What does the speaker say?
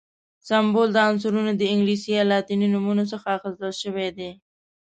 سمبول د عنصرونو د انګلیسي یا لاتیني نومونو څخه اخیستل شوی دی.